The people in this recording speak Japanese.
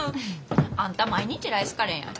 あんた毎日ライスカレーやん。